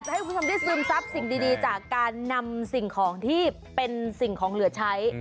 ให้คุณผู้ชมได้ซึมซับสิ่งดีจากการนำสิ่งของที่เป็นสิ่งของเหลือใช้